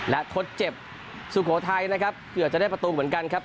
และทดเจ็บสุโขทัยนะครับเกือบจะได้ประตูเหมือนกันครับ